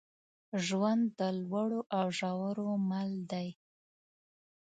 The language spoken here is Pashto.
ژوند د لوړو او ژورو مل دی.